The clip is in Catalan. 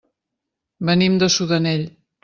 Venim de Sudanell.